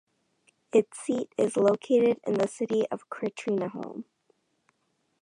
Its seat is located in the city of Katrineholm.